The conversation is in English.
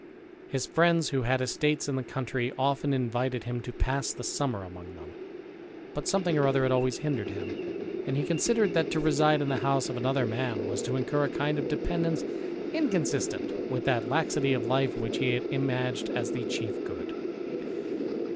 His friends who had estates in the country, often invited him to pass the summer among them, but something or other had always hindered him ; and he considered, that to reside in the house of another man was to incur a kind of dependence inconsistent with that laxity of life which he had imaged as the chief good.